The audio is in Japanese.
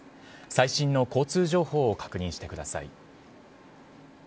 最新の交通情報を確認してください。